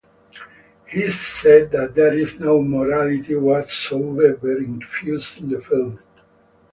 He said that there is no morality whatsoever infused in the film.